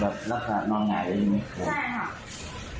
แบบราคานอนหงายได้ยังไงครับใช่ค่ะ